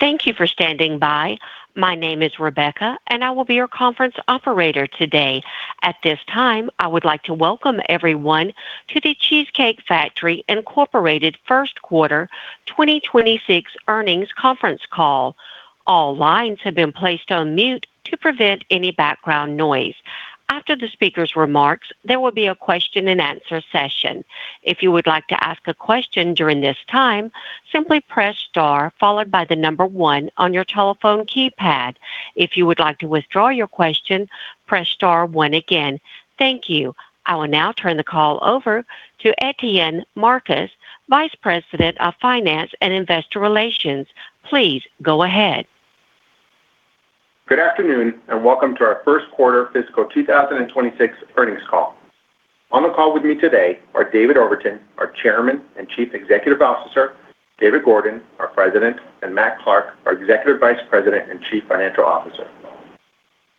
Thank you for standing by. My name is Rebecca, and I will be your conference operator today. At this time, I would like to welcome everyone to The Cheesecake Factory Incorporated Q1 2026 Earnings Conference Call. All lines have been placed on mute to prevent any background noise. After the speaker's remarks, there will be a question-and-answer session. If you would like to ask a question during this time, simply press star followed by the number one on your telephone keypad. If you would like to withdraw your question, press star one again. Thank you. I will now turn the call over to Etienne Marcus, Vice President of Finance and Investor Relations. Please go ahead. Good afternoon, and welcome to our Q1 FY 2026 earnings call. On the call with me today are David Overton, our Chairman and Chief Executive Officer, David Gordon, our President, and Matt Clark, our Executive Vice President and Chief Financial Officer.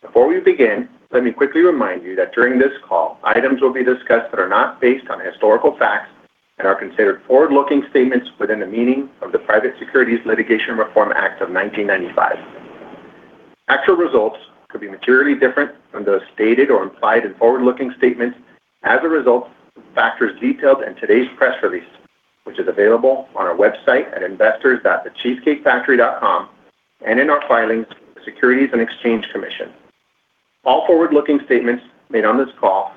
Before we begin, let me quickly remind you that during this call, items will be discussed that are not based on historical facts and are considered forward-looking statements within the meaning of the Private Securities Litigation Reform Act of 1995. Actual results could be materially different from those stated or implied in forward-looking statements as a result of factors detailed in today's press release, which is available on our website at investors.thecheesecakefactory.com and in our filings with the Securities and Exchange Commission. All forward-looking statements made on this call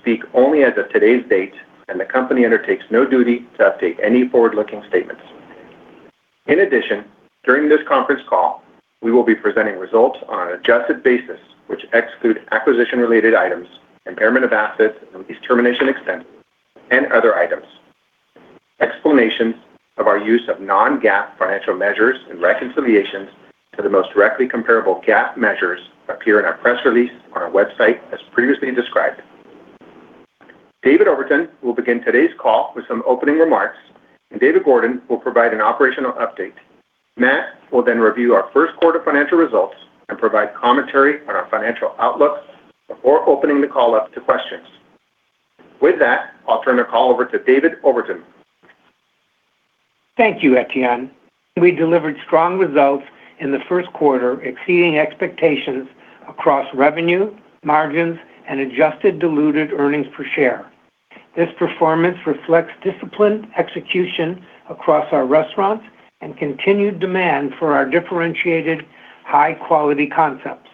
speak only as of today's date. The company undertakes no duty to update any forward-looking statements. In addition, during this conference call, we will be presenting results on an adjusted basis, which exclude acquisition-related items, impairment of assets, lease termination expenses, and other items. Explanations of our use of non-GAAP financial measures and reconciliations to the most directly comparable GAAP measures appear in our press release on our website as previously described. David Overton will begin today's call with some opening remarks. David Gordon will provide an operational update. Matt will review our Q1 financial results and provide commentary on our financial outlook before opening the call up to questions. With that, I'll turn the call over to David Overton. Thank you, Etienne. We delivered strong results in the Q1, exceeding expectations across revenue, margins, and adjusted diluted earnings per share. This performance reflects disciplined execution across our restaurants and continued demand for our differentiated high-quality concepts.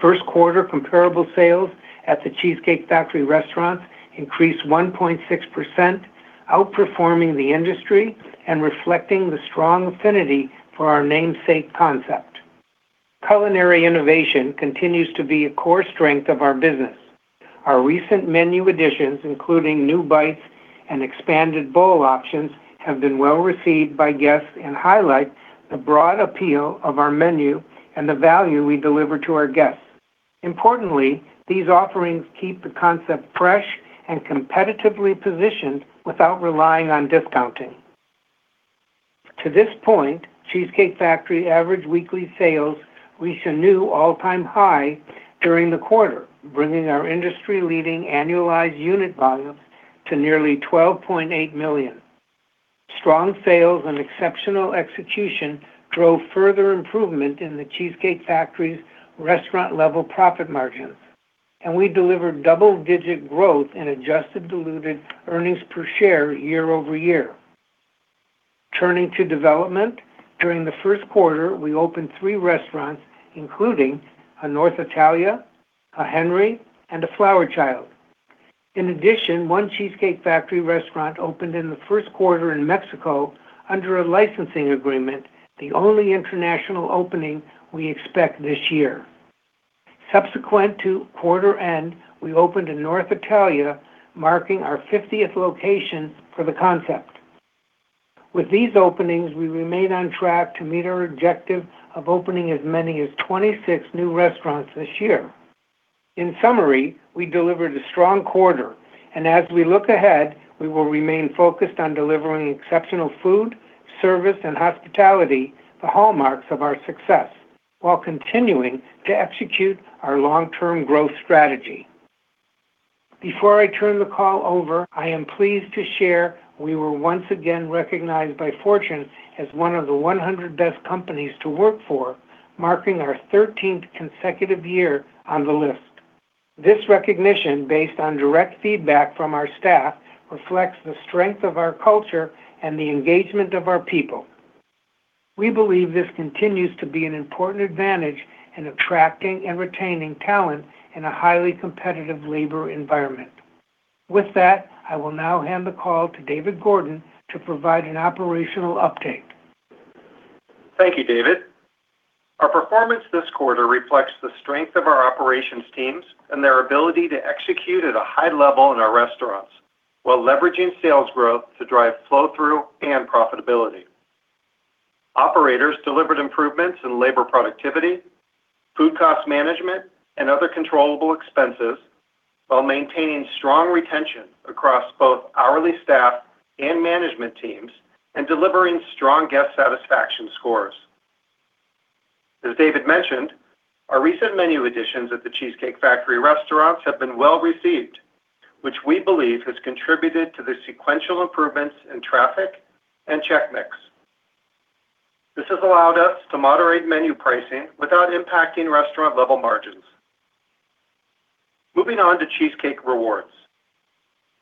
Q1 comparable sales at The Cheesecake Factory restaurants increased 1.6%, outperforming the industry and reflecting the strong affinity for our namesake concept. Culinary innovation continues to be a core strength of our business. Our recent menu additions, including new bites and expanded bowl options, have been well received by guests and highlight the broad appeal of our menu and the value we deliver to our guests. Importantly, these offerings keep the concept fresh and competitively positioned without relying on discounting. To this point, Cheesecake Factory average weekly sales reached a new all-time high during the quarter, bringing our industry-leading annualized unit volume to nearly $12.8 million. Strong sales and exceptional execution drove further improvement in The Cheesecake Factory's restaurant-level profit margins, and we delivered double-digit growth in adjusted diluted earnings per share year-over-year. Turning to development, during the Q1, we opened three restaurants, including a North Italia, a The Henry, and a Flower Child. In addition, one The Cheesecake Factory restaurant opened in the Q1 in Mexico under a licensing agreement, the only international opening we expect this year. Subsequent to quarter end, we opened a North Italia, marking our 50th location for the concept. With these openings, we remain on track to meet our objective of opening as many as 26 new restaurants this year. In summary, we delivered a strong quarter, and as we look ahead, we will remain focused on delivering exceptional food, service, and hospitality, the hallmarks of our success, while continuing to execute our long-term growth strategy. Before I turn the call over, I am pleased to share we were once again recognized by Fortune as one of the 100 Best Companies to Work For, marking our 13th consecutive year on the list. This recognition, based on direct feedback from our staff, reflects the strength of our culture and the engagement of our people. We believe this continues to be an important advantage in attracting and retaining talent in a highly competitive labor environment. With that, I will now hand the call to David Gordon to provide an operational update. Thank you, David. Our performance this quarter reflects the strength of our operations teams and their ability to execute at a high level in our restaurants while leveraging sales growth to drive flow-through and profitability. Operators delivered improvements in labor productivity, food cost management, and other controllable expenses while maintaining strong retention across both hourly staff and management teams and delivering strong guest satisfaction scores. As David mentioned, our recent menu additions at The Cheesecake Factory restaurants have been well received, which we believe has contributed to the sequential improvements in traffic and check mix. This has allowed us to moderate menu pricing without impacting restaurant level margins. Moving on to Cheesecake Rewards.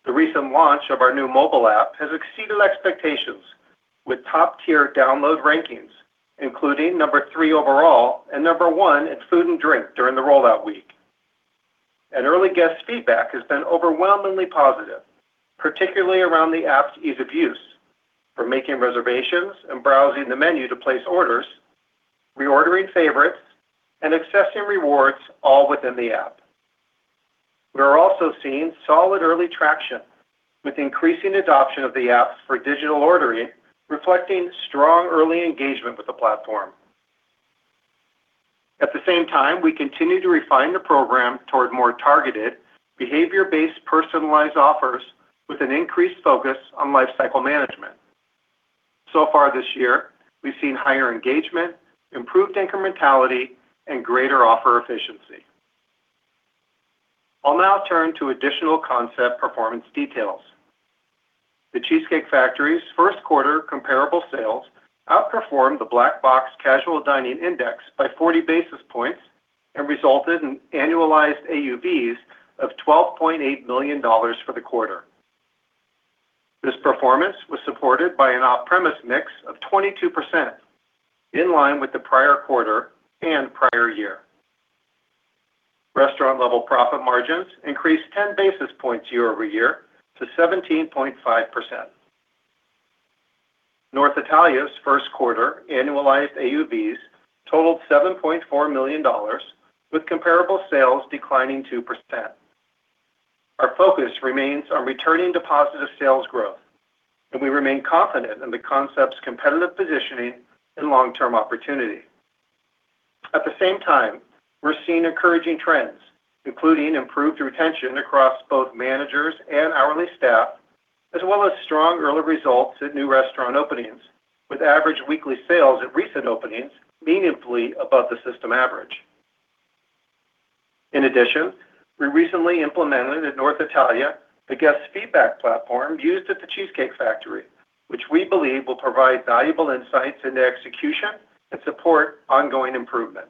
The recent launch of our new mobile app has exceeded expectations with top-tier download rankings, including number 3 overall and number 1 in food and drink during the rollout week. Early guest feedback has been overwhelmingly positive, particularly around the app's ease of use for making reservations and browsing the menu to place orders, reordering favorites, and accessing rewards all within the app. We are also seeing solid early traction with increasing adoption of the app for digital ordering, reflecting strong early engagement with the platform. At the same time, we continue to refine the program toward more targeted behavior-based personalized offers with an increased focus on lifecycle management. So far this year, we've seen higher engagement, improved incrementality, and greater offer efficiency. I'll now turn to additional concept performance details. The Cheesecake Factory's Q1 comparable sales outperformed the Black Box Intelligence casual dining index by 40 basis points and resulted in annualized AUVs of $12.8 million for the quarter. This performance was supported by an off-premise mix of 22%, in line with the prior quarter and prior year. Restaurant level profit margins increased 10 basis points year-over-year to 17.5%. North Italia's Q1 annualized AUVs totaled $7.4 million, with comparable sales declining 2%. Our focus remains on returning to positive sales growth, and we remain confident in the concept's competitive positioning and long-term opportunity. At the same time, we're seeing encouraging trends, including improved retention across both managers and hourly staff, as well as strong early results at new restaurant openings, with average weekly sales at recent openings meaningfully above the system average. In addition, we recently implemented at North Italia the guest feedback platform used at The Cheesecake Factory, which we believe will provide valuable insights into execution and support ongoing improvement.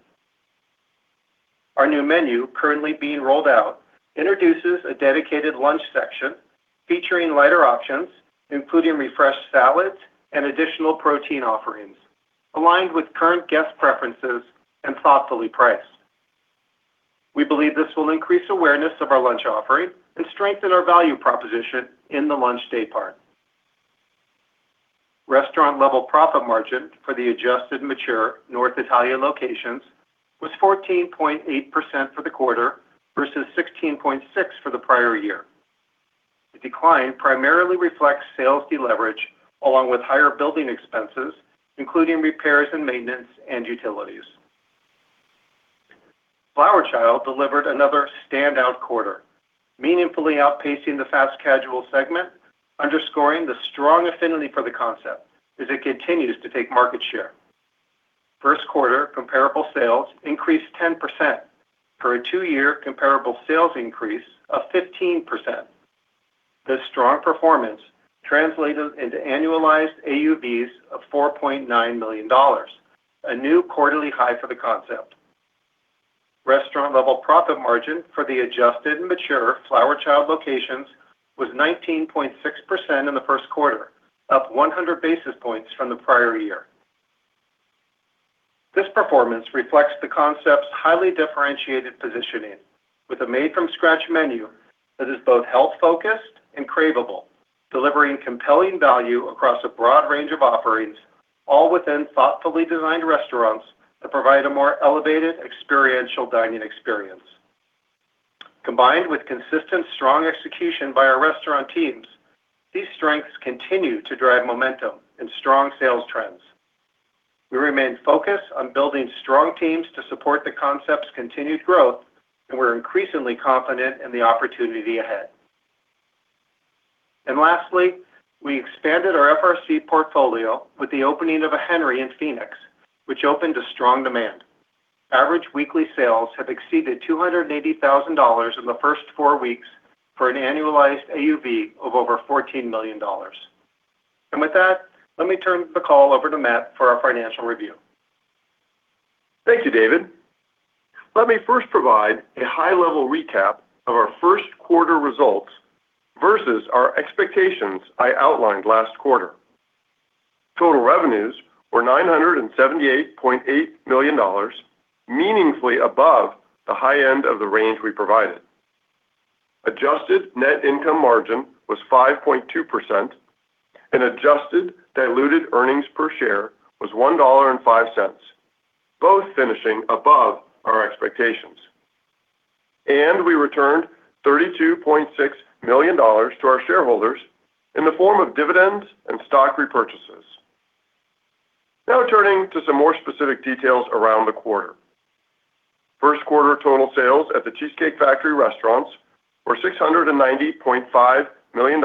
Our new menu currently being rolled out introduces a dedicated lunch section featuring lighter options, including refreshed salads and additional protein offerings, aligned with current guest preferences and thoughtfully priced. We believe this will increase awareness of our lunch offering and strengthen our value proposition in the lunch daypart. Restaurant level profit margin for the adjusted mature North Italia locations was 14.8% for the quarter versus 16.6% for the prior year. The decline primarily reflects sales deleverage along with higher building expenses, including repairs and maintenance and utilities. Flower Child delivered another standout quarter, meaningfully outpacing the fast casual segment, underscoring the strong affinity for the concept as it continues to take market share. Q1 comparable sales increased 10% for a two-year comparable sales increase of 15%. This strong performance translated into annualized AUVs of $4.9 million, a new quarterly high for the concept. Restaurant level profit margin for the adjusted mature Flower Child locations was 19.6% in the Q1, up 100 basis points from the prior year. This performance reflects the concept's highly differentiated positioning with a made-from-scratch menu that is both health-focused and craveable, delivering compelling value across a broad range of offerings, all within thoughtfully designed restaurants that provide a more elevated experiential dining experience. Combined with consistent strong execution by our restaurant teams, these strengths continue to drive momentum and strong sales trends. We remain focused on building strong teams to support the concept's continued growth, we're increasingly confident in the opportunity ahead. Lastly, we expanded our FRC portfolio with the opening of a Henry in Phoenix, which opened a strong demand. Average weekly sales have exceeded $280,000 in the first four weeks for an annualized AUV of over $14 million. With that, let me turn the call over to Matt for our financial review. Thank you, David. Let me first provide a high-level recap of our Q1 results versus our expectations I outlined last quarter. Total revenues were $978.8 million, meaningfully above the high end of the range we provided. Adjusted net income margin was 5.2%, and adjusted diluted earnings per share was $1.05, both finishing above our expectations. We returned $32.6 million to our shareholders in the form of dividends and stock repurchases. Now, turning to some more specific details around the quarter. Q1 total sales at The Cheesecake Factory restaurants were $690.5 million,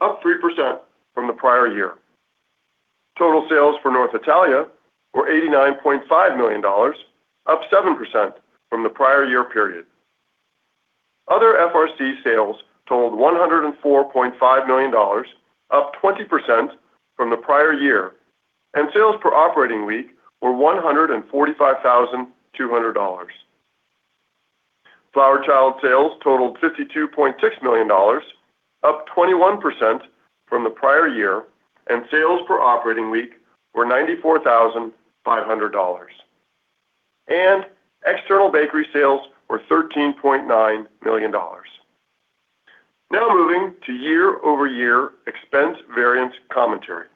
up 3% from the prior year. Total sales for North Italia were $89.5 million, up 7% from the prior year period. Other FRC sales totaled $104.5 million, up 20% from the prior year, and sales per operating week were $145,200. Flower Child sales totaled $52.6 million, up 21% from the prior year, and sales per operating week were $94,500. External bakery sales were $13.9 million. Moving to year-over-year expense variance commentary.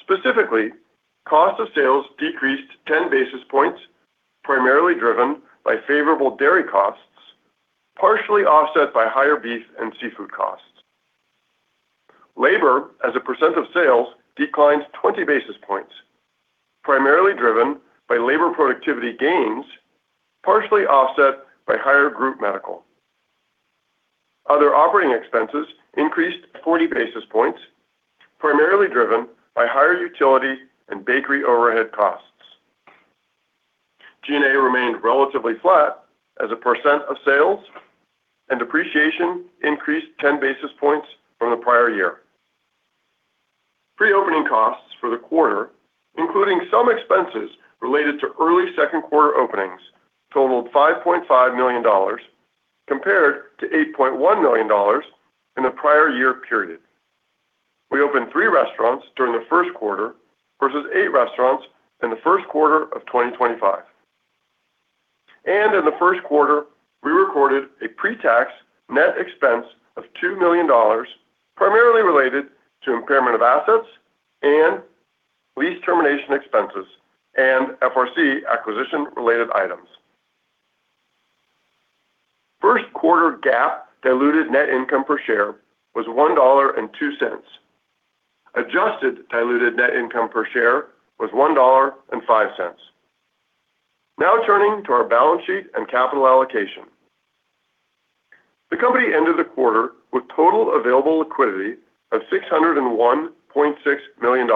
Specifically, cost of sales decreased 10 basis points, primarily driven by favorable dairy costs, partially offset by higher beef and seafood costs. Labor as a percent of sales declined 20 basis points, primarily driven by labor productivity gains, partially offset by higher group medical. Other operating expenses increased 40 basis points, primarily driven by higher utility and bakery overhead costs. G&A remained relatively flat as a percent of sales, depreciation increased 10 basis points from the prior year. Pre-opening costs for the quarter, including some expenses related to early Q2 openings, totaled $5.5 million compared to $8.1 million in the prior year period. We opened three restaurants during the Q1 versus eight restaurants in the Q1 of 2025. In the Q1, we recorded a pre-tax net expense of $2 million, primarily related to impairment of assets and lease termination expenses and FRC acquisition related items. Q1 GAAP diluted net income per share was $1.02. Adjusted diluted net income per share was $1.05. Now turning to our balance sheet and capital allocation. The company ended the quarter with total available liquidity of $601.6 million,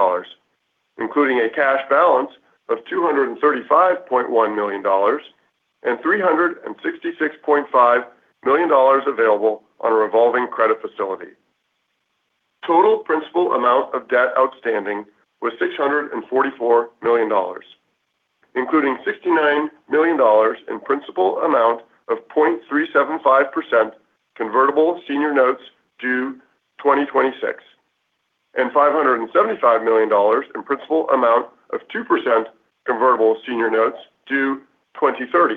including a cash balance of $235.1 million and $366.5 million available on a revolving credit facility. Total principal amount of debt outstanding was $644 million, including $69 million in principal amount of 0.375% convertible senior notes due 2026 and $575 million in principal amount of 2% convertible senior notes due 2030.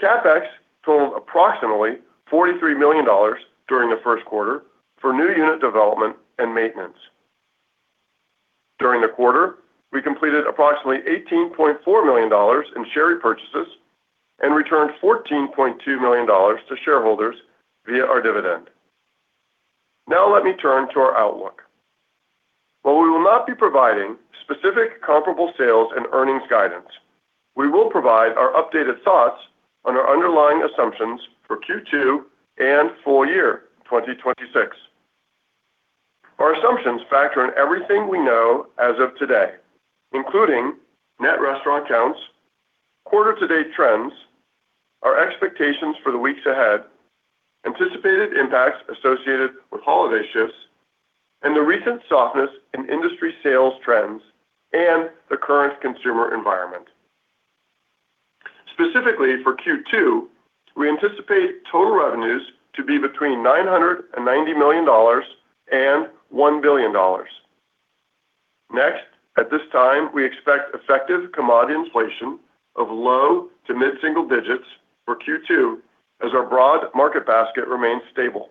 CapEx totaled approximately $43 million during the Q1 for new unit development and maintenance. During the quarter, we completed approximately $18.4 million in share repurchases and returned $14.2 million to shareholders via our dividend. Let me turn to our outlook. While we will not be providing specific comparable sales and earnings guidance, we will provide our updated thoughts on our underlying assumptions for Q2 and full-year 2026. Our assumptions factor in everything we know as of today, including net restaurant counts, quarter-to-date trends, our expectations for the weeks ahead, anticipated impacts associated with holiday shifts and the recent softness in industry sales trends and the current consumer environment. Specifically for Q2, we anticipate total revenues to be between $990 million and $1 billion. At this time, we expect effective commodity inflation of low-to-mid single digits for Q2 as our broad market basket remains stable.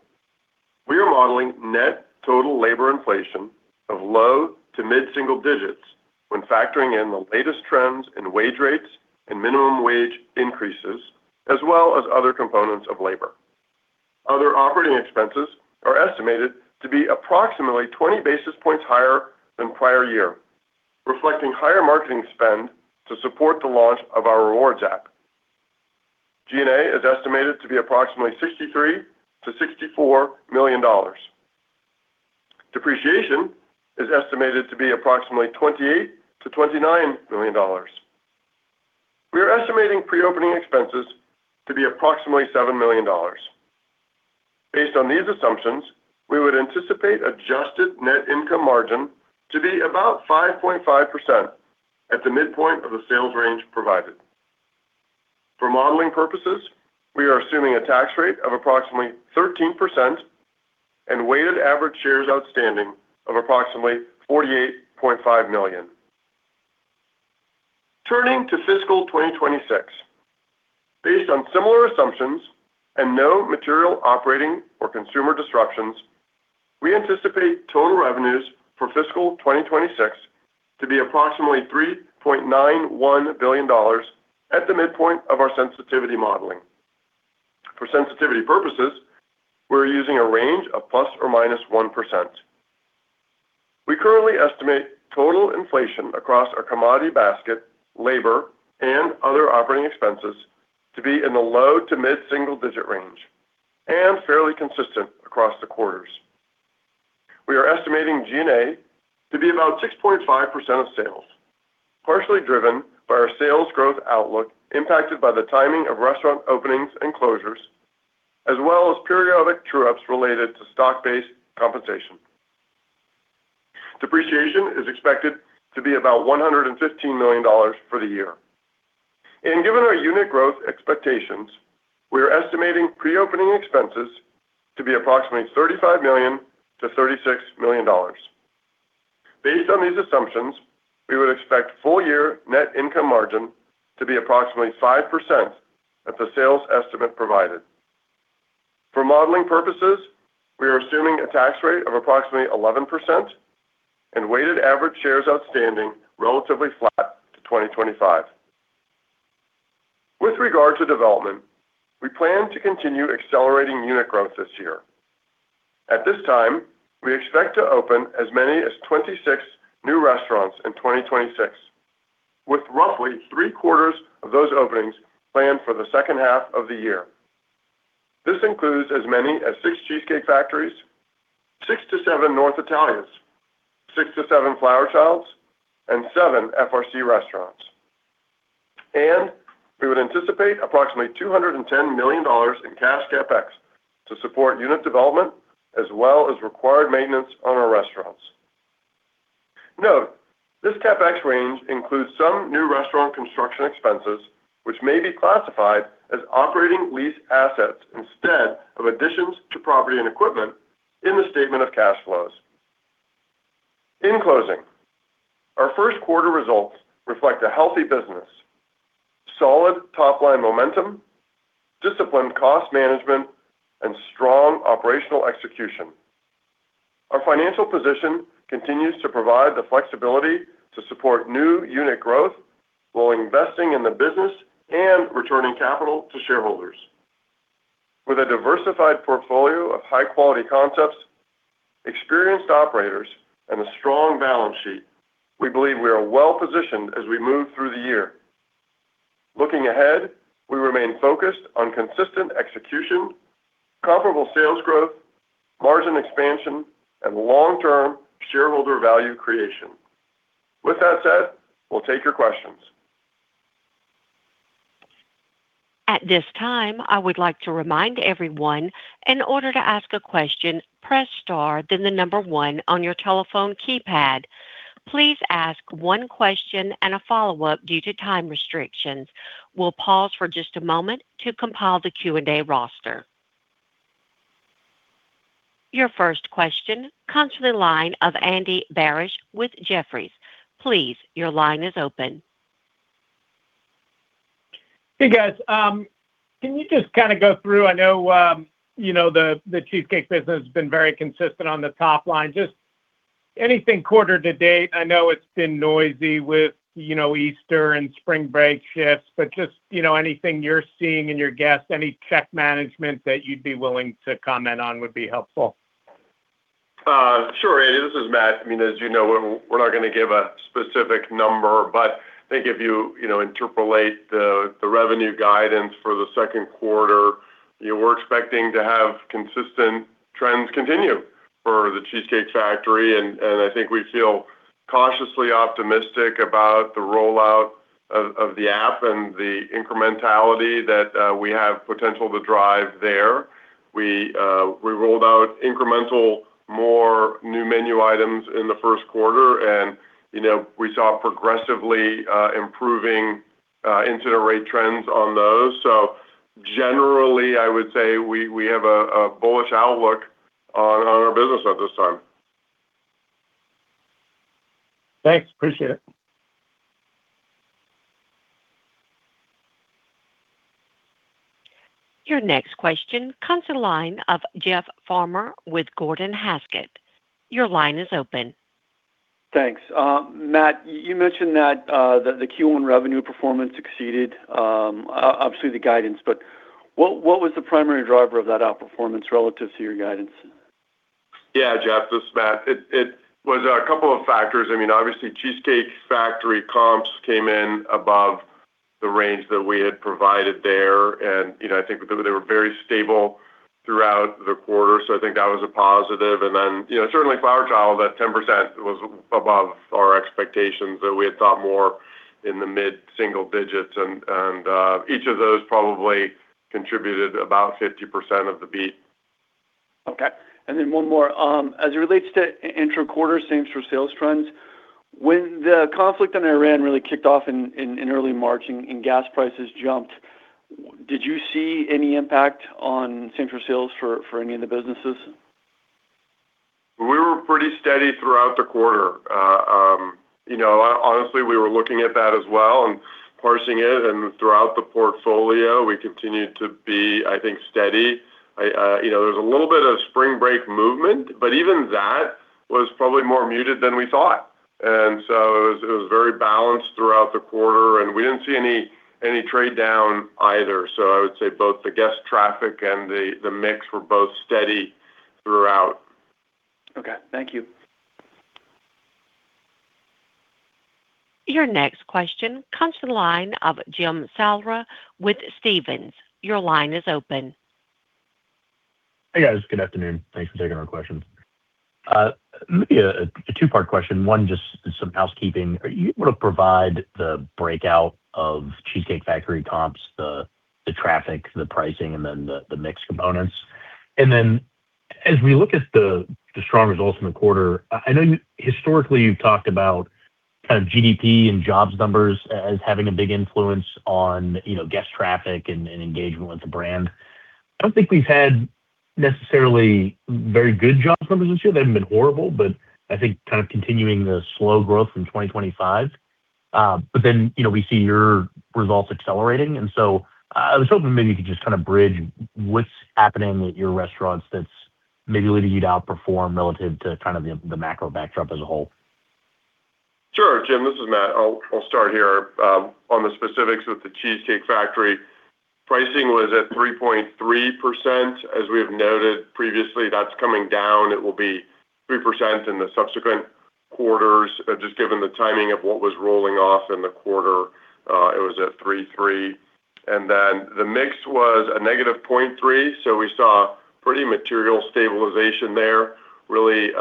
We are modeling net total labor inflation of low-to-mid single digits when factoring in the latest trends in wage rates and minimum wage increases, as well as other components of labor. Other operating expenses are estimated to be approximately 20 basis points higher than prior year, reflecting higher marketing spend to support the launch of our rewards app. G&A is estimated to be approximately $63 million-$64 million. Depreciation is estimated to be approximately $28 million-$29 million. We are estimating pre-opening expenses to be approximately $7 million. Based on these assumptions, we would anticipate adjusted net income margin to be about 5.5% at the midpoint of the sales range provided. For modeling purposes, we are assuming a tax rate of approximately 13% and weighted average shares outstanding of approximately 48.5 million. Turning to FY 2026. Based on similar assumptions and no material operating or consumer disruptions, we anticipate total revenues for FY 2026 to be approximately $3.91 billion at the midpoint of our sensitivity modeling. For sensitivity purposes, we are using a range of ±1%. We currently estimate total inflation across our commodity basket, labor, and other operating expenses to be in the low to mid-single-digit range and fairly consistent across the quarters. We are estimating G&A to be about 6.5% of sales, partially driven by our sales growth outlook impacted by the timing of restaurant openings and closures, as well as periodic true-ups related to stock-based compensation. Depreciation is expected to be about $115 million for the year. Given our unit growth expectations, we are estimating pre-opening expenses to be approximately $35 million-$36 million. Based on these assumptions, we would expect full year net income margin to be approximately 5% at the sales estimate provided. For modeling purposes, we are assuming a tax rate of approximately 11% and weighted average shares outstanding relatively flat to 2025. With regard to development, we plan to continue accelerating unit growth this year. At this time, we expect to open as many as 26 new restaurants in 2026, with roughly three-quarters of those openings planned for the H2 of the year. This includes as many as six Cheesecake Factories, six-seven North Italia, six-seven Flower Childs, and seven FRC restaurants. We would anticipate approximately $210 million in cash CapEx to support unit development as well as required maintenance on our restaurants. Note, this CapEx range includes some new restaurant construction expenses, which may be classified as operating lease assets instead of additions to property and equipment in the statement of cash flows. In closing, our Q1 results reflect a healthy business, solid top-line momentum, disciplined cost management, and strong operational execution. Our financial position continues to provide the flexibility to support new unit growth while investing in the business and returning capital to shareholders. With a diversified portfolio of high quality concepts, experienced operators, and a strong balance sheet, we believe we are well-positioned as we move through the year. Looking ahead, we remain focused on consistent execution, comparable sales growth, margin expansion, and long-term shareholder value creation. With that said, we'll take your questions. Your first question comes from the line of Andy Barish with Jefferies. Hey, guys. Can you just kind of go through, I know, you know, the Cheesecake business has been very consistent on the top line, just anything quarter to date? I know it's been noisy with, you know, Easter and spring break shifts, but just, you know, anything you're seeing in your guests, any check management that you'd be willing to comment on would be helpful. Sure, Andy. This is Matt. I mean, as you know, we're not gonna give a specific number, but I think if you know, interpolate the revenue guidance for the Q2, you know, we're expecting to have consistent trends continue for The Cheesecake Factory. I think we feel cautiously optimistic about the rollout of the app and the incrementality that we have potential to drive there. We rolled out incremental more new menu items in the Q1, and, you know, we saw progressively improving incident rate trends on those. Generally, I would say we have a bullish outlook on our business at this time. Thanks. Appreciate it. Your next question comes to the line of Jeff Farmer with Gordon Haskett. Your line is open. Thanks. Matt, you mentioned that the Q1 revenue performance exceeded obviously the guidance. What was the primary driver of that outperformance relative to your guidance? Yeah. Jeff, this is Matt. It was a couple of factors. I mean, obviously, The Cheesecake Factory comps came in above the range that we had provided there. You know, I think they were very stable throughout the quarter, so I think that was a positive. You know, certainly Flower Child, that 10% was above our expectations that we had thought more in the mid-single digits. Each of those probably contributed about 50% of the beat. Okay. Then one more. As it relates to intra-quarter same-store sales trends, when the conflict on Iran really kicked off in early March and gas prices jumped, did you see any impact on same-store sales for any of the businesses? We were pretty steady throughout the quarter. You know, honestly, we were looking at that as well and parsing it, and throughout the portfolio, we continued to be, I think, steady. You know, there was a little bit of spring break movement, but even that was probably more muted than we thought. It was very balanced throughout the quarter, and we didn't see any trade down either. I would say both the guest traffic and the mix were both steady throughout. Okay, thank you. Your next question comes to the line of Jim Salera with Stephens. Your line is open. Hey, guys. Good afternoon. Thanks for taking our questions. Yeah, a two-part question. One, just some housekeeping. Are you able to provide the breakout of Cheesecake Factory comps, the traffic, the pricing, and then the mix components? As we look at the strong results in the quarter, I know historically you've talked about kind of GDP and jobs numbers as having a big influence on, you know, guest traffic and engagement with the brand. I don't think we've had necessarily very good jobs numbers this year. I think kind of continuing the slow growth from 2025. You know, we see your results accelerating. I was hoping maybe you could just kind of bridge what's happening with your restaurants that's maybe leading you to outperform relative to kind of the macro backdrop as a whole. Sure, Jim, this is Matt. I'll start here. On the specifics with The Cheesecake Factory, pricing was at 3.3%. As we have noted previously, that's coming down. It will be 3% in the subsequent quarters, just given the timing of what was rolling off in the quarter, it was at 3.3%. The mix was a -0.3%, we saw pretty material stabilization there, really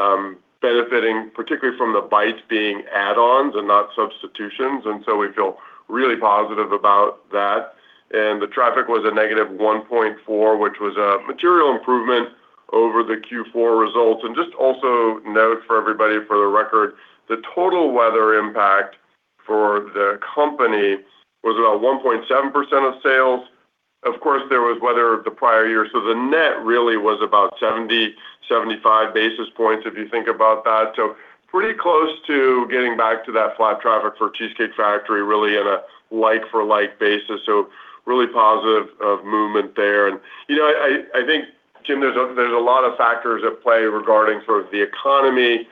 benefiting, particularly from the bites being add-ons and not substitutions. We feel really positive about that. The traffic was a -1.4%, which was a material improvement over the Q4 results. Just also note for everybody, for the record, the total weather impact for the company was about 1.7% of sales. Of course, there was weather the prior year, the net really was about 70 basis points and 75 basis points, if you think about that. Pretty close to getting back to that flat traffic for Cheesecake Factory, really on a like for like basis. Really positive of movement there. You know, I think, Jim, there's a lot of factors at play regarding sort of the economy.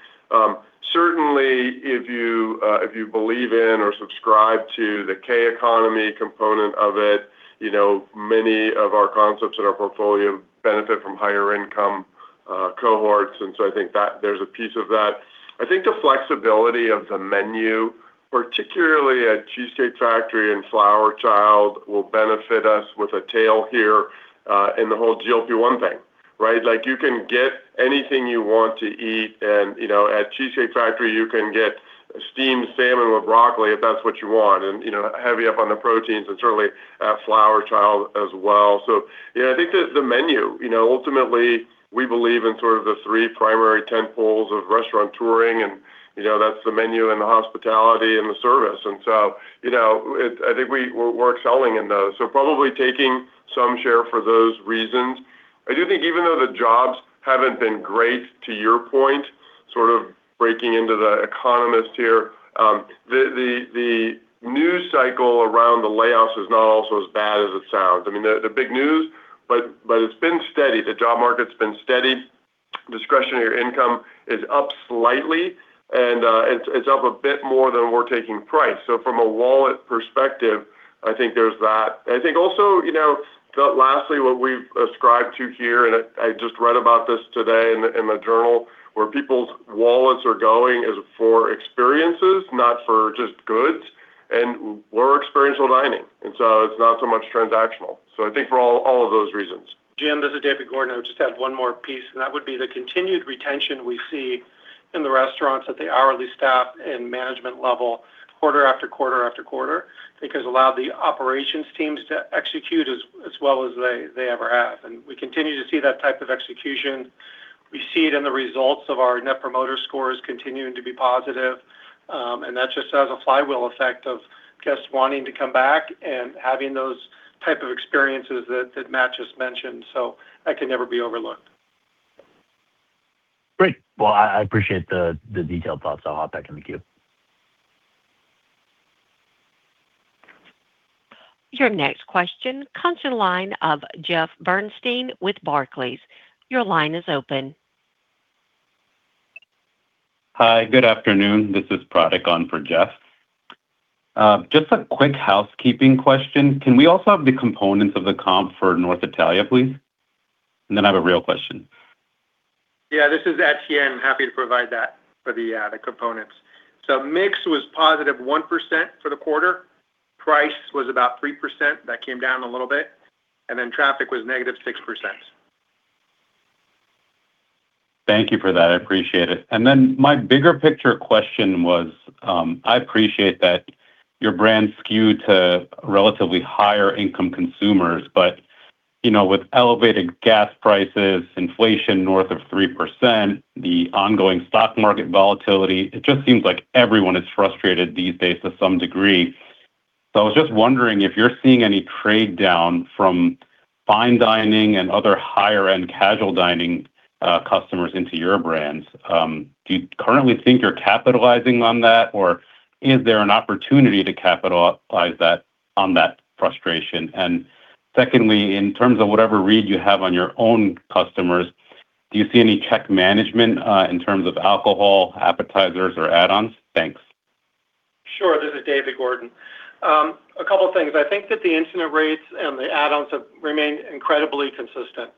Certainly if you believe in or subscribe to the K-shaped economy component of it, you know, many of our concepts in our portfolio benefit from higher income cohorts. I think that there's a piece of that. I think the flexibility of the menu, particularly at Cheesecake Factory and Flower Child, will benefit us with a tail here in the whole GLP-1 thing, right? Like, you can get anything you want to eat and, you know, at The Cheesecake Factory, you can get steamed salmon with broccoli if that's what you want, and, you know, heavy up on the proteins and certainly at Flower Child as well. Yeah, I think there's the menu. You know, ultimately, we believe in sort of the three primary tentpoles of restauranteuring and, you know, that's the menu and the hospitality and the service. I think we're excelling in those. Probably taking some share for those reasons. I do think even though the jobs haven't been great, to your point, sort of breaking into the economist here, the news cycle around the layoffs is not also as bad as it sounds. I mean, they're the big news, but it's been steady. The job market's been steady. Discretionary income is up slightly, and it's up a bit more than we're taking price. From a wallet perspective, I think there's that. I think also, you know, lastly, what we've ascribed to here, and I just read about this today in the journal, where people's wallets are going is for experiences, not for just goods. We're experiential dining, and so it's not so much transactional. I think for all of those reasons. Jim, this is David Gordon. I just had one more piece, that would be the continued retention we see in the restaurants at the hourly staff and management level quarter after quarter-after-quarter. I think it's allowed the operations teams to execute as well as they ever have. We continue to see that type of execution. We see it in the results of our Net Promoter Score continuing to be positive. That just has a flywheel effect of guests wanting to come back and having those type of experiences that Matt just mentioned. That can never be overlooked. Great. Well, I appreciate the detailed thoughts. I'll hop back in the queue. Your next question comes to the line of Jeffrey Bernstein with Barclays. Your line is open. Hi, good afternoon. This is Patrick on for Jeff. Just a quick housekeeping question. Can we also have the components of the comp for North Italia, please? I have a real question. Yeah, this is Etienne. Happy to provide that for the components. Mix was positive 1% for the quarter. Price was about 3%. That came down a little bit. Traffic was -6%. Thank you for that. I appreciate it. My bigger picture question was, I appreciate that your brands skew to relatively higher income consumers, but, you know, with elevated gas prices, inflation north of 3%, the ongoing stock market volatility, it just seems like everyone is frustrated these days to some degree. I was just wondering if you're seeing any trade down from fine dining and other higher end casual dining customers into your brands. Do you currently think you're capitalizing on that, or is there an opportunity to capitalize on that frustration? Secondly, in terms of whatever read you have on your own customers. Do you see any check management in terms of alcohol, appetizers, or add-ons? Thanks. Sure. This is David Gordon. A couple things. I think that the incident rates and the add-ons have remained incredibly consistent.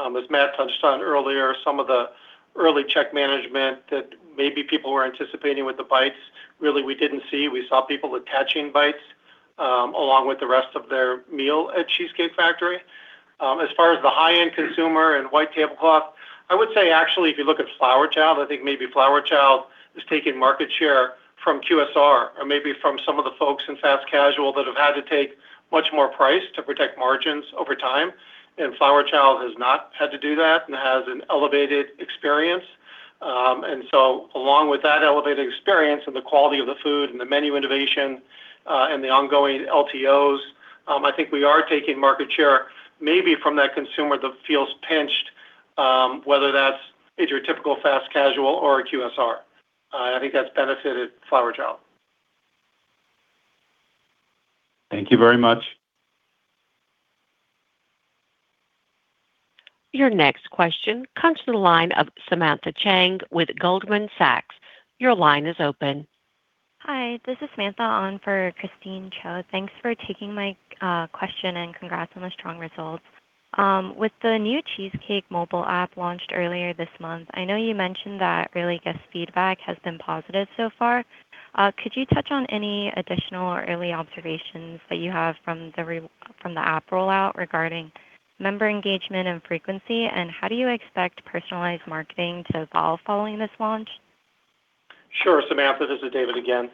As Matt touched on earlier, some of the early check management that maybe people were anticipating with the bites, really we didn't see. We saw people attaching bites along with the rest of their meal at Cheesecake Factory. As far as the high-end consumer and white tablecloth, I would say actually if you look at Flower Child, I think maybe Flower Child is taking market share from QSR or maybe from some of the folks in fast casual that have had to take much more price to protect margins over time, and Flower Child has not had to do that and has an elevated experience. Along with that elevated experience and the quality of the food and the menu innovation, and the ongoing LTOs, I think we are taking market share maybe from that consumer that feels pinched, whether it's your typical fast casual or a QSR. I think that's benefited Flower Child. Thank you very much. Your next question comes to the line of Katie Fogertey with Goldman Sachs. Your line is open. Hi, this is Christine Cho on for Katie. Thanks for taking my question and congrats on the strong results. With the new Cheesecake mobile app launched earlier this month, I know you mentioned that early guest feedback has been positive so far. Could you touch on any additional early observations that you have from the app rollout regarding member engagement and frequency, and how do you expect personalized marketing to evolve following this launch? Sure. This is David again.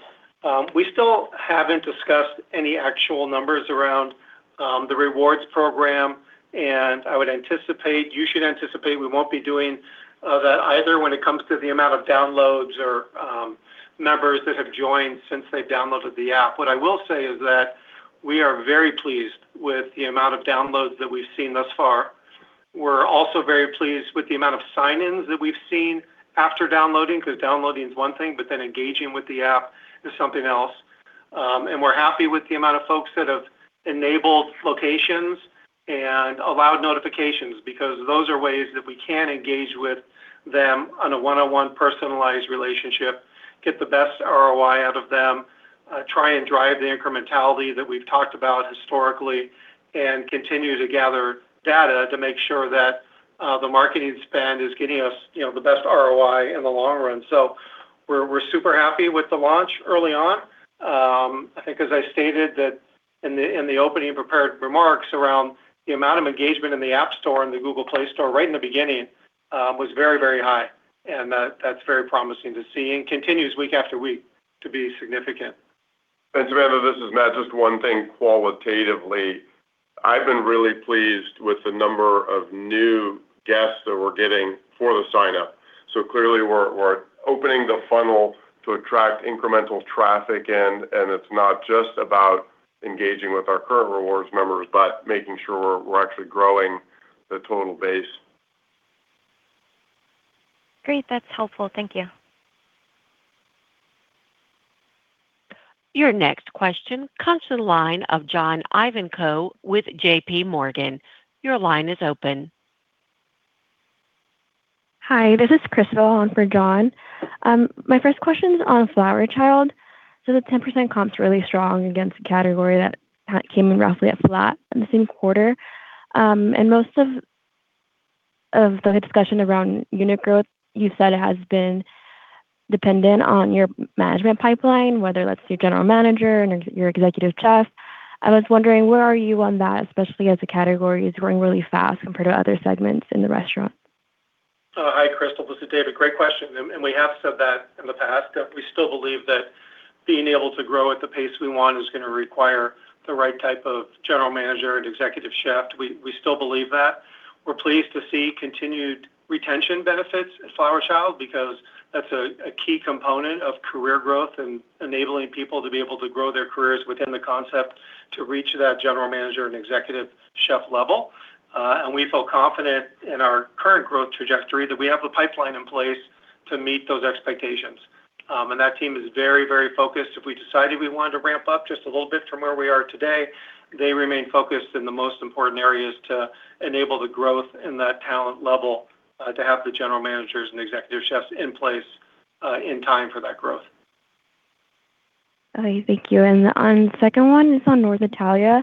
We still haven't discussed any actual numbers around the Cheesecake Rewards program, and I would anticipate, you should anticipate we won't be doing that either when it comes to the amount of downloads or members that have joined since they've downloaded the app. What I will say is that we are very pleased with the amount of downloads that we've seen thus far. We're also very pleased with the amount of sign-ins that we've seen after downloading, because downloading is one thing, but then engaging with the app is something else. We're happy with the amount of folks that have enabled locations and allowed notifications because those are ways that we can engage with them on a one-on-one personalized relationship, get the best ROI out of them, try and drive the incrementality that we've talked about historically, and continue to gather data to make sure that the marketing spend is getting us, you know, the best ROI in the long run. We're super happy with the launch early on. I think as I stated that in the, in the opening prepared remarks around the amount of engagement in the App Store and the Google Play Store right in the beginning, was very, very high, and that's very promising to see and continues week after week to be significant. Just one thing qualitatively. I've been really pleased with the number of new guests that we're getting for the sign-up. Clearly we're opening the funnel to attract incremental traffic and it's not just about engaging with our current rewards members, but making sure we're actually growing the total base. Great. That's helpful. Thank you. Your next question comes to the line of John Ivankoe with JPMorgan. Your line is open. Hi, this is Crystal on for John. My first question is on Flower Child. The 10% comp's really strong against the category that came in roughly at flat in the same quarter. Most of the discussion around unit growth, you said it has been dependent on your management pipeline, whether that's your general manager and your executive chef. I was wondering where are you on that, especially as the category is growing really fast compared to other segments in the restaurant? Hi, Crystal. This is David. Great question. We have said that in the past that we still believe that being able to grow at the pace we want is gonna require the right type of general manager and executive chef. We still believe that. We're pleased to see continued retention benefits at Flower Child because that's a key component of career growth and enabling people to be able to grow their careers within the concept to reach that general manager and executive chef level. We feel confident in our current growth trajectory that we have the pipeline in place to meet those expectations. That team is very focused. If we decided we wanted to ramp up just a little bit from where we are today, they remain focused in the most important areas to enable the growth in that talent level, to have the general managers and executive chefs in place, in time for that growth. All right. Thank you. On second one is on North Italia.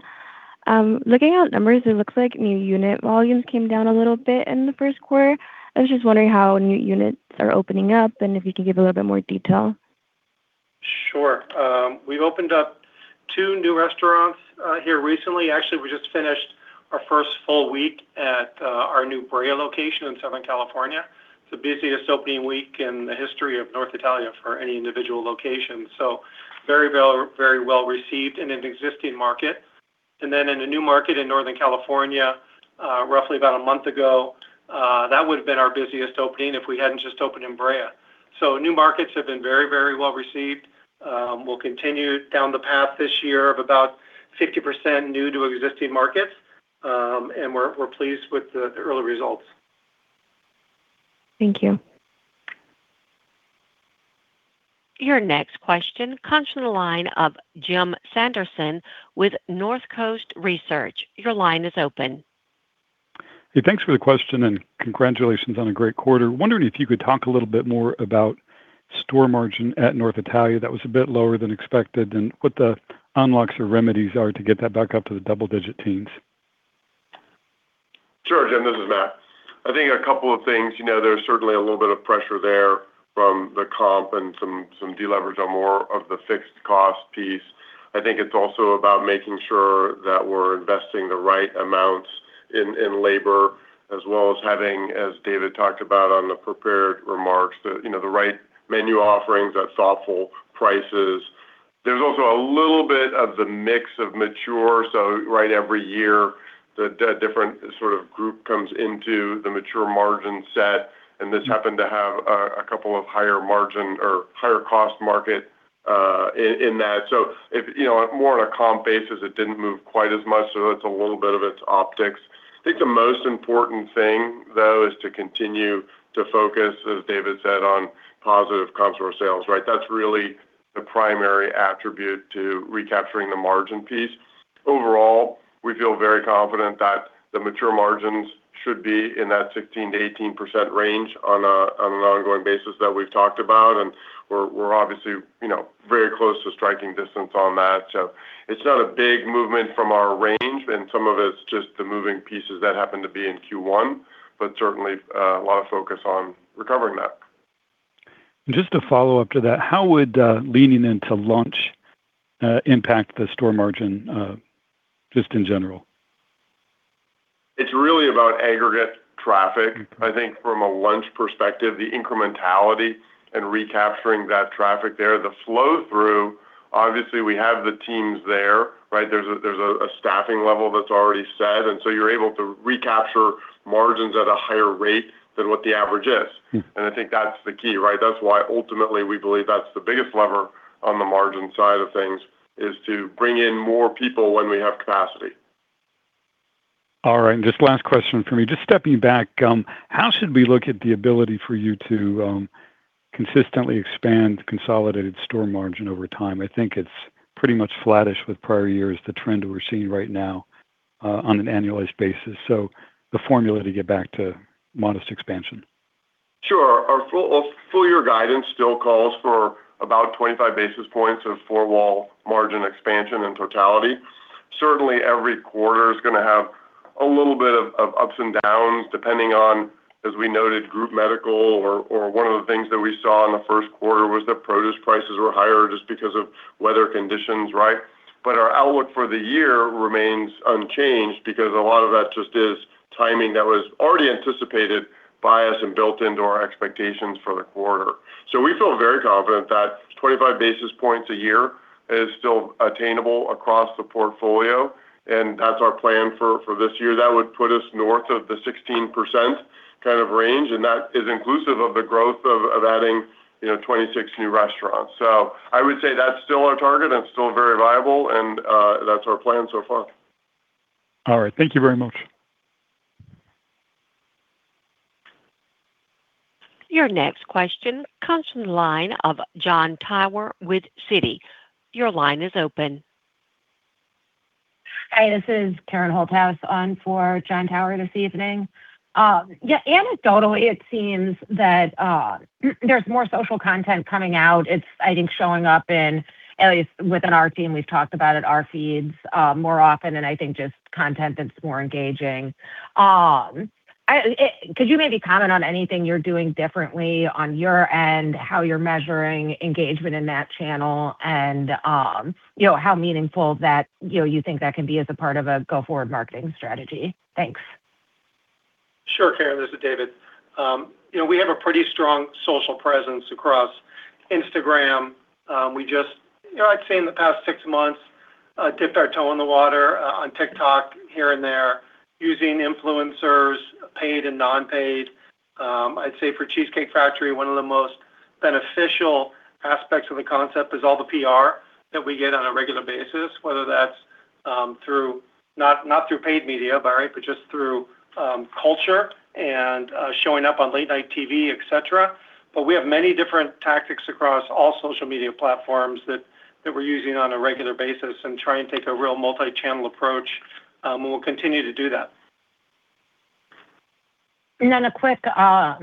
Looking at numbers, it looks like new unit volumes came down a little bit in the Q1. I was just wondering how new units are opening up and if you could give a little bit more detail. Sure. We've opened up two new restaurants here recently. Actually, we just finished our first full week at our new Brea location in Southern California. It's the busiest opening week in the history of North Italia for any individual location. Very well, very well-received in an existing market. In a new market in Northern California, roughly about a month ago, that would've been our busiest opening if we hadn't just opened in Brea. New markets have been very, very well received. We'll continue down the path this year of about 50% new to existing markets, and we're pleased with the early results. Thank you. Your next question comes from the line of Jim Sanderson with Northcoast Research. Your line is open. Hey, thanks for the question and congratulations on a great quarter. I am wondering if you could talk a little bit more about store margin at North Italia that was a bit lower than expected, and what the unlocks or remedies are to get that back up to the double digit teens? Sure, Jim, this is Matt. I think a couple of things. You know, there's certainly a little bit of pressure there from the comp and some delevers on more of the fixed cost piece. I think it's also about making sure that we're investing the right amounts in labor as well as having, as David talked about on the prepared remarks, the, you know, the right menu offerings at thoughtful prices. There's also a little bit of the mix of mature. Right every year the different sort of group comes into the mature margin set, and this happened to have a couple of higher margin or higher cost market in that. You know, more on a comp basis, it didn't move quite as much, so it's a little bit of its optics. I think the most important thing though is to continue to focus, as David said, on positive comp store sales, right? That's really the primary attribute to recapturing the margin piece. Overall, we feel very confident that the mature margins should be in that 16%-18% range on an ongoing basis that we've talked about. We're obviously, you know, very close to striking distance on that. It's not a big movement from our range and some of it's just the moving pieces that happen to be in Q1, but certainly a lot of focus on recovering that. Just to follow up to that, how would leaning into lunch impact the store margin just in general? It's really about aggregate traffic. Mm-hmm. I think from a lunch perspective, the incrementality and recapturing that traffic there, the flow through, obviously we have the teams there, right? There's a staffing level that's already set, and so you're able to recapture margins at a higher rate than what the average is. Hmm. I think that's the key, right? That's why ultimately we believe that's the biggest lever on the margin side of things, is to bring in more people when we have capacity. All right. Just last question from me. Just stepping back, how should we look at the ability for you to consistently expand consolidated store margin over time? I think it's pretty much flattish with prior years, the trend that we're seeing right now, on an annualized basis. The formula to get back to modest expansion. Sure. Our full-year guidance still calls for about 25 basis points of overall margin expansion in totality. Certainly every quarter is gonna have a little bit of ups and downs depending on, as we noted, group medical or one of the things that we saw in the Q1 was that produce prices were higher just because of weather conditions, right? Our outlook for the year remains unchanged because a lot of that just is timing that was already anticipated by us and built into our expectations for the quarter. We feel very confident that 25 basis points a year is still attainable across the portfolio, and that's our plan for this year. That would put us north of the 16% kind of range, and that is inclusive of the growth of adding, you know, 26 new restaurants. I would say that's still our target and still very viable and, that's our plan so far. All right. Thank you very much. Your next question comes from the line of Jon Tower with Citi. Your line is open. Hi, this is Karen Holthouse on for Jon Tower this evening. Yeah, anecdotally it seems that there's more social content coming out. It's, I think, showing up in, at least within our team, we've talked about it, our feeds, more often and I think just content that's more engaging. Could you maybe comment on anything you're doing differently on your end, how you're measuring engagement in that channel and, you know, how meaningful that, you know, you think that can be as a part of a go forward marketing strategy? Thanks. Sure, Karen. This is David. You know, we have a pretty strong social presence across Instagram. We just, you know, I'd say in the past six months, dipped our toe in the water on TikTok here and there using influencers, paid and non-paid. I'd say for Cheesecake Factory, one of the most beneficial aspects of the concept is all the PR that we get on a regular basis, whether that's not through paid media by right, but just through culture and showing up on late night TV, et cetera. We have many different tactics across all social media platforms that we're using on a regular basis and try and take a real multi-channel approach, and we'll continue to do that. A quick, a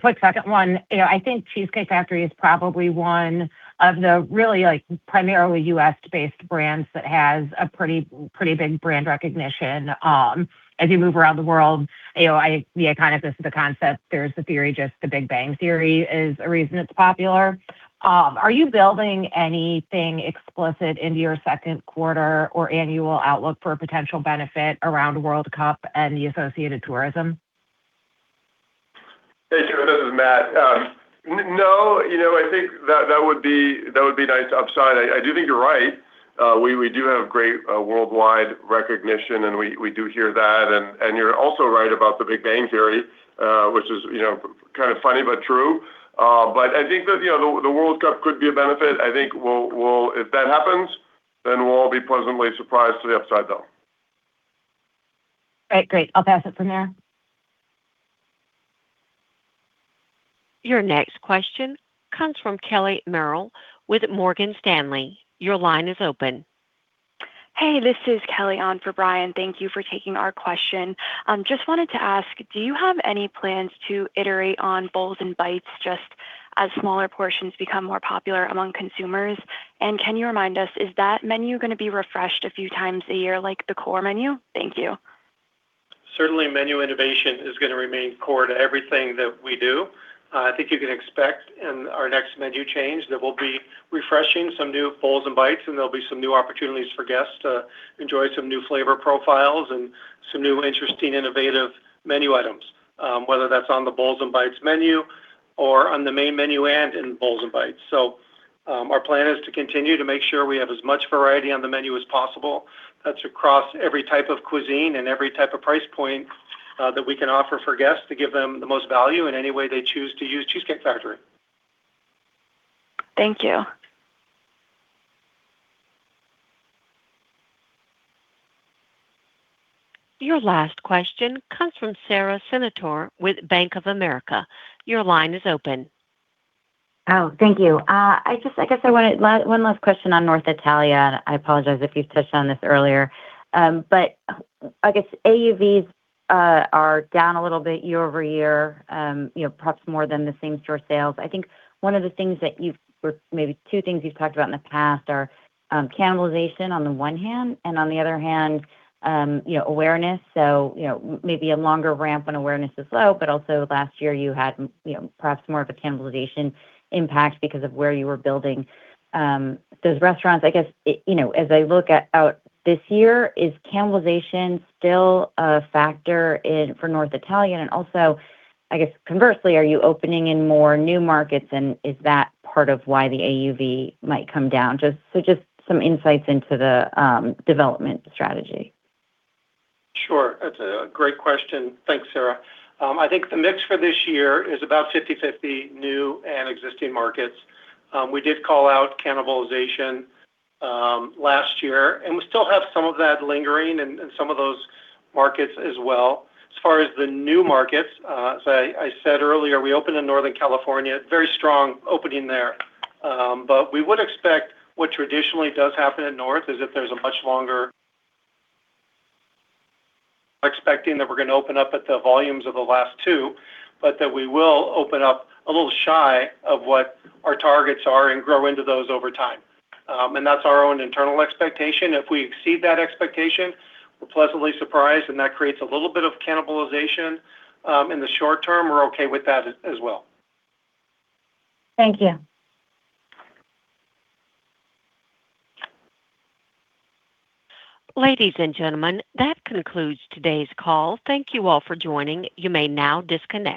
quick second one. You know, I think The Cheesecake Factory is probably one of the really, like, primarily U.S.-based brands that has a pretty big brand recognition as you move around the world. You know, the icon of this is a concept. There's the theory just The Big Bang Theory is a reason it's popular. Are you building anything explicit into your second quarter or annual outlook for a potential benefit around World Cup and the associated tourism? Hey, Karen, this is Matt. No. You know, I think that would be nice upside. I do think you're right. We do have great worldwide recognition, and we do hear that. You're also right about The Big Bang Theory, which is, you know, kind of funny but true. I think that, you know, the World Cup could be a benefit. I think we'll if that happens, then we'll all be pleasantly surprised to the upside though. Right. Great. I'll pass it from here. Your next question comes from Kelly Craig with Morgan Stanley. Your line is open. Hey, this is Kelly on for Brian. Thank you for taking our question. Just wanted to ask, do you have any plans to iterate on bowls and bites just as smaller portions become more popular among consumers? Can you remind us, is that menu gonna be refreshed a few times a year like the core menu? Thank you. Certainly, menu innovation is gonna remain core to everything that we do. I think you can expect in our next menu change that we'll be refreshing some new bowls and bites, and there'll be some new opportunities for guests to enjoy some new flavor profiles and some new interesting innovative menu items, whether that's on the bowls and bites menu or on the main menu and in bowls and bites. Our plan is to continue to make sure we have as much variety on the menu as possible. That's across every type of cuisine and every type of price point, that we can offer for guests to give them the most value in any way they choose to use The Cheesecake Factory. Thank you. Your last question comes from Sara Senatore with Bank of America. Your line is open. Thank you. I guess I wanted one last question on North Italia. I apologize if you touched on this earlier. I guess AUVs are down a little bit year-over-year, you know, perhaps more than the same store sales. I think one of the things that maybe two things you've talked about in the past are cannibalization on the one hand, and on the other hand, you know, awareness. You know, maybe a longer ramp when awareness is low. Also last year you had, you know, perhaps more of a cannibalization impact because of where you were building those restaurants. I guess, you know, as I look out this year, is cannibalization still a factor for North Italia? I guess conversely, are you opening in more new markets, and is that part of why the AUV might come down? Just, so just some insights into the development strategy. Sure. That's a great question. Thanks, Sara. I think the mix for this year is about 50/50 new and existing markets. We did call out cannibalization last year, we still have some of that lingering in some of those markets as well. As far as the new markets, I said earlier we opened in Northern California, very strong opening there. We would expect what traditionally does happen in North Italia is expecting that we're going to open up at the volumes of the last two, that we will open up a little shy of what our targets are and grow into those over time. That's our own internal expectation. If we exceed that expectation, we're pleasantly surprised, that creates a little bit of cannibalization in the short term. We're okay with that as well. Thank you. Ladies and gentlemen, that concludes today's call. Thank you all for joining. You may now disconnect.